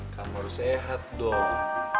kamu harus sehat dong